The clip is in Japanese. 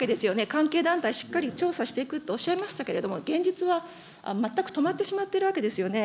関係団体、しっかり調査していくとおっしゃいましたけれども、現実は全く止まってしまっているわけですよね。